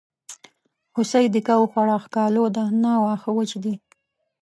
هوسۍ دیکه وخوړه ښکالو ده نه واښه وچ دي.